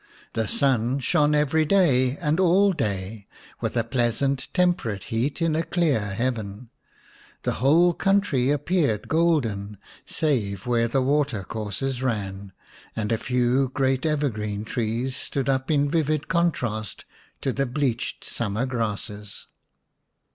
The sun shone every day and all day, with a pleasant temperate heat in a clear heaven. The whole country appeared golden, save where the water courses ran, and a few great evergreen trees stood up in vivid contrast to the bleached summer grasses.